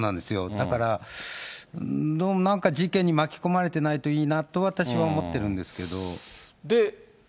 だから、なんか事件に巻き込まれてないといいなと、私は思っているんですけど。